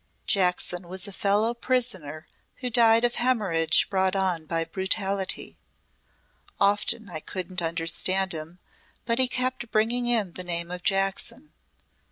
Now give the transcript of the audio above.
Jackson was a fellow prisoner who died of hemorrhage brought on by brutality. Often I couldn't understand him, but he kept bringing in the name of Jackson.